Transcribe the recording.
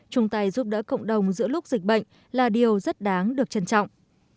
chúng ta giúp đỡ cộng đồng giữa lúc dịch bệnh là điều rất đáng được trân trọng